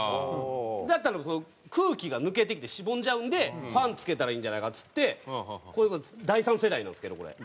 だったら空気が抜けてきてしぼんじゃうんでファン付けたらいいんじゃないかっつってこれ第３世代なんですけどこれ。